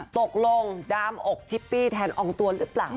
ตกลงดามอกชิปปี้แทนอองตวนหรือเปล่า